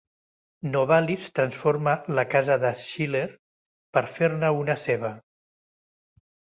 Novalis transforma la casa de Schiller, per fer-ne una seva.